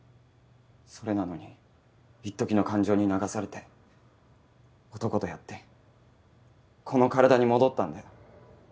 それなのにいっときの感情に流されて男とやってこの体に戻ったんだよ。